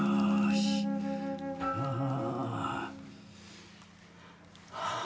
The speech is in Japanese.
ああ。